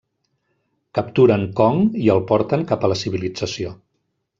Capturen Kong i el porten cap a la civilització.